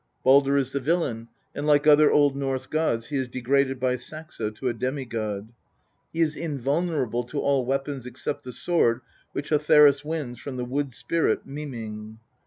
Baldr is the villain, and like other Old Norse gods he is degraded by Saxo to a demi god. He is invulnerable to all weapons except the sword which Hotherus wins from the wood spirit, Miming.